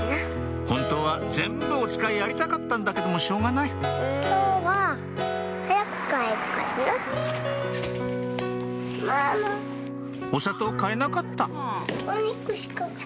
本当は全部おつかいやりたかったんだけどもしょうがない「お砂糖買えなかった」